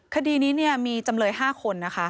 คดีนี้เนี่ยมีจำเลย๕คนนะฮะ